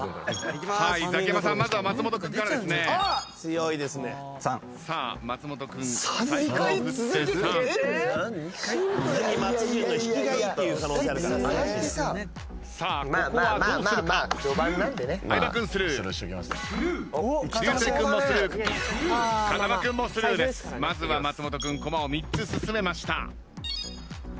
まずは松本君コマを３つ進めました。